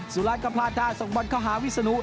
สุราชก็พลาดท่าส่งบอลเข้าหาวิศนุ